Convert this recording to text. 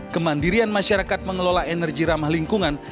kemandirian masyarakat mengelola energi ramah lingkungan